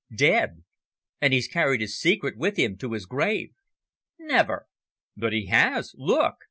"Dead! And he's carried his secret with him to his grave!" "Never!" "But he has. Look!